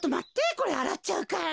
これあらっちゃうから。